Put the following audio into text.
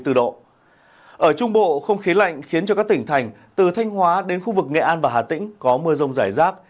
trong thời gian thanh hóa đến khu vực nghệ an và hà tĩnh có mưa rông rải rác